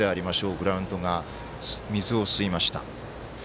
グラウンドが水を吸いました。